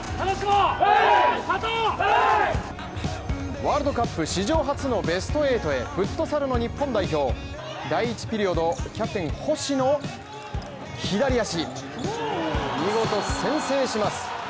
ワールドカップ史上初のベスト８へフットサルの日本代表第１ピリオドキャプテン・星の左足先制します。